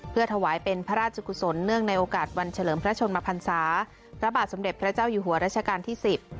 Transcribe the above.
เพื่อถวายเป็นพระราชกุศลเนื่องในโอกาสวันเฉลิมพระชนมพันศาพระบาทสมเด็จพระเจ้าอยู่หัวรัชกาลที่สิบ